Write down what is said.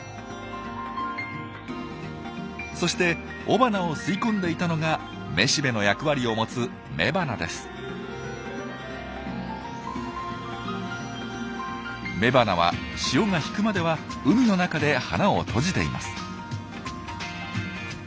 そして雄花を吸い込んでいたのが雌しべの役割を持つ雌花は潮が引くまでは海の中で花を閉じています。